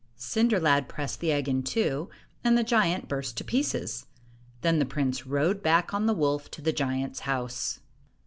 Cinder lad pressed the egg in two, and the giant burst to pieces. Then the prince rode back on the wolf to the giant's house.